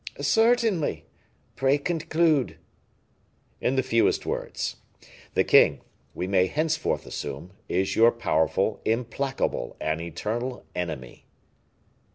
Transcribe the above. "Certainly. Pray conclude." "In the fewest words. The king, we may henceforth assume, is your powerful, implacable, and eternal enemy."